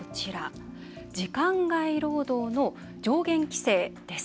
時間外労働の上限規制です。